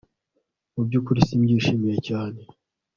Mu byukuri simbyishimiye cyane